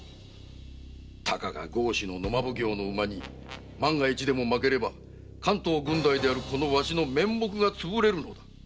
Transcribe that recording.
たかが郷士の野馬奉行の馬に万が一でも負ければ関東郡代のわしの面目がつぶれるのだ。